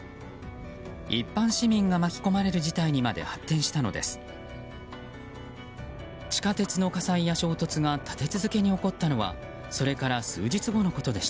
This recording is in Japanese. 一般市民が巻き込まれる事態にまで発展したのです。